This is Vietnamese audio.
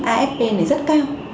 afp này rất cao